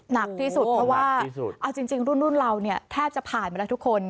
หนักที่สุดเพราะว่าเอาจริงรุ่นเราเนี่ยแทบจะผ่านมาแล้วทุกคน